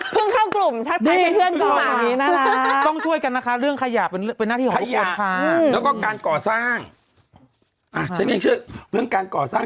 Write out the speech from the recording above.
เพิ่งเข้ากลุ่มชัดใครไม่เพื่อนก่อนแบบนี้น่ารัก